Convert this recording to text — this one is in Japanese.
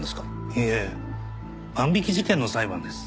いいえ万引き事件の裁判です。